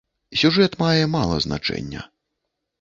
Сюжэт мае мала значэння.